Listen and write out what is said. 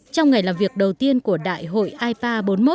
trong ngày làm việc đầu tiên của đại hội ipa bốn mươi một